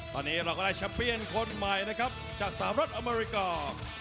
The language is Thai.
ตอนนี้เราก็ได้แชมเปียนคนใหม่นะครับจากสหรัฐอเมริกา